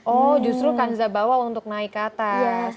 oh justru kanza bawa untuk naik ke atas